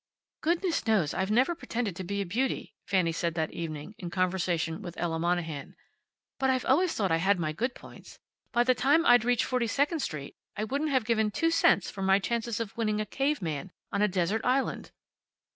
"Goodness knows I've never pretended to be a beauty," Fanny said that evening, in conversation with Ella Monahan. "But I've always thought I had my good points. By the time I'd reached Forty second street I wouldn't have given two cents for my chances of winning a cave man on a desert island."